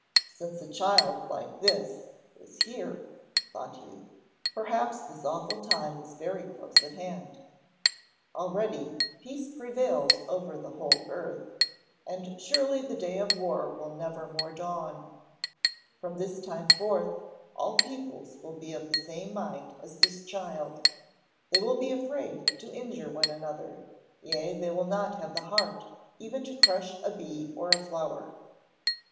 "Since a child like this is here," thought he, "perhaps this awful time is very close at hand. Already, peace prevails over the whole earth; and surely the day of war will nevermore dawn. From this time forth, all peoples will be of the same mind as this child: they will be afraid to injure one another, yea, they will not have the heart even to crush a bee or a flower!